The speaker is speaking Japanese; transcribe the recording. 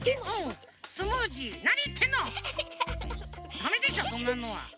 ダメでしょそんなのは。